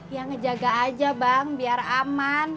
ya ngejaga aja bang biar aman